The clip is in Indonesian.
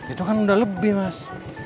itu kan udah lebih mas